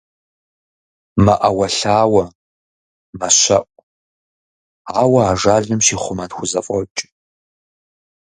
МэӀэуэлъауэ, мэщэӀу, ауэ ажалым щихъумэн хузэфӀокӀ.